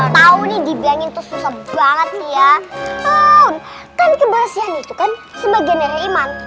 tahu nih dibilang itu susah banget ya kan kebersihan itu kan sebagiannya iman